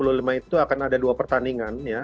dua puluh lima itu akan ada dua pertandingan